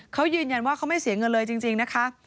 เขายืนยันว่าเขาไม่เสียเงินเลยจริงนะคะ